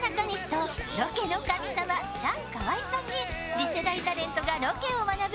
次世代タレントがロケを学ぶ